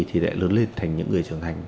thì lại lớn lên thành những người trưởng thành